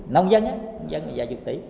nông dân á